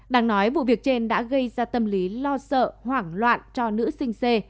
đáng nói vụ việc trên đã gây ra tâm lý lo sợ hoảng loạn cho nữ sinh c